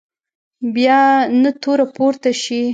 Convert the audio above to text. بیا نه توره پورته شي.